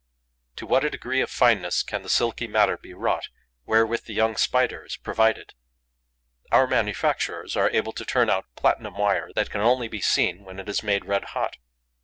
To what a degree of fineness can the silky matter be wrought wherewith the young Spider is provided! Our manufacturers are able to turn out platinum wire that can only be seen when it is made red hot.